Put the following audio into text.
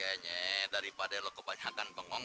kayaknya daripada lo kebanyakan pengong